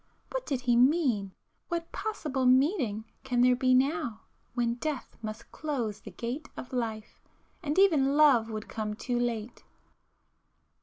What did he mean?—what possible meeting can there be now, when death must close the gate of life, and even love would come too late!